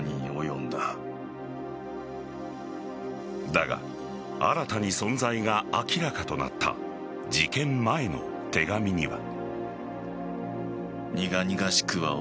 だが新たに存在が明らかとなった事件前の手紙には。